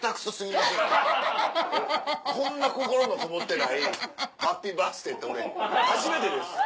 こんな心のこもってない『ハッピーバースデー』って俺初めてです。